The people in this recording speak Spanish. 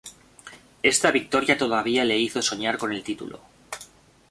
Esta victoria todavía le hizo soñar con el título.